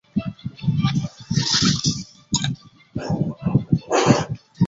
龙珠潭位于香港新界大埔区的八仙岭郊野公园。